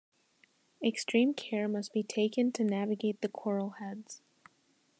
Extreme care must be taken to navigate the coral heads.